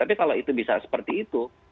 tapi kalau itu bisa seperti itu